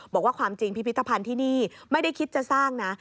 ความจริงพิพิธภัณฑ์ที่นี่ไม่ได้คิดจะสร้างนะ